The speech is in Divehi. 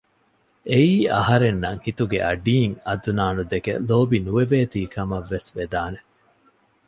އެއީ އަހަރެންނަށް ހިތުގެ އަޑީން އަދުނާނު ދެކެ ލޯބި ނުވެވޭތީ ކަމަށް ވެސް ވެދާނެ